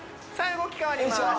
動き変わります